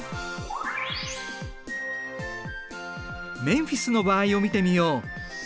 メンフィスの場合を見てみよう。